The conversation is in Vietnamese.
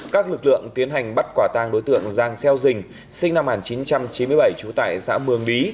các lực lượng tiến hành bắt quả tang đối tượng giang xeo dình sinh năm một nghìn chín trăm chín mươi bảy trú tại xã mường lý